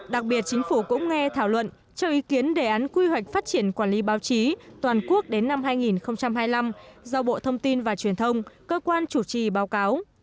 đặc biệt chính phủ cũng nghe thảo luận cho ý kiến đề án quy hoạch phát triển quản lý báo chí toàn quốc đến năm hai nghìn hai mươi năm do bộ thông tin và truyền thông cơ quan chủ trì báo cáo